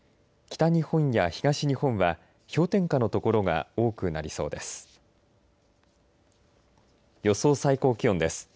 北日本や東日本は氷点下の所が多くなりそうです。